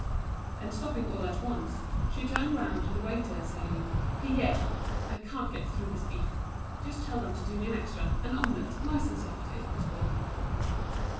And stopping all at once, she turned round to the waiter, saying: "Pierre, I can't get through this beef. Just tell them to do me an extra, an omelet, nice and soft, if possible."